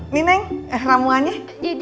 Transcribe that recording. nih neng ramuannya